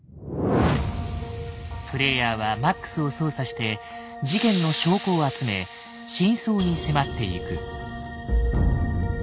プレイヤーはマックスを操作して事件の証拠を集め真相に迫っていく。